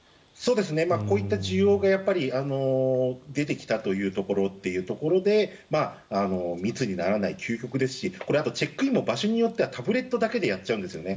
こういった需要が出てきたというところで密にならない究極ですしこれはあとチェックインも場所によってはタブレットだけでやっちゃうんですよね。